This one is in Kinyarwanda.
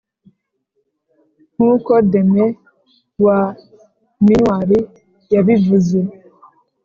nkuko deme (wa minuar) yabivuze